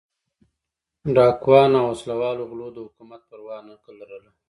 ډاکوانو او وسله والو غلو د حکومت پروا نه لرله.